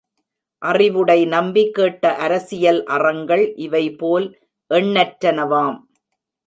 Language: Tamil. அறிவுடை நம்பி கேட்ட அரசியல் அறங்கள் இவைபோல் எண்ணற்றனவாம்.